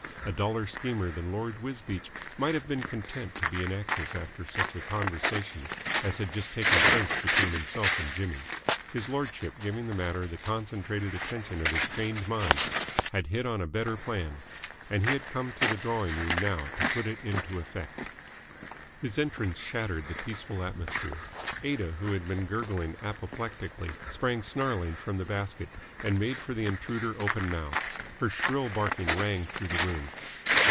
A duller schemer than Lord Wisbeach might have been content to be inactive after such a conversation as had just taken place between himself and Jimmy. His lordship, giving the matter the concentrated attention of his trained mind, had hit on a better plan, and he had come to the drawing room now to put it into effect. His entrance shattered the peaceful atmosphere. Aida, who had been gurgling apoplectically, sprang snarling from the basket, and made for the intruder open mouthed. Her shrill barking rang through the room.